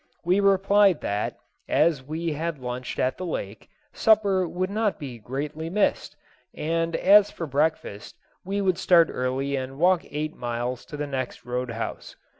We replied that, as we had lunched at the lake, supper would not be greatly missed, and as for breakfast we would start early and walk eight miles to the next road house.